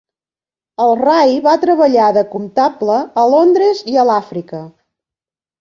El Ray va treballar de comptable a Londres i a l'Àfrica.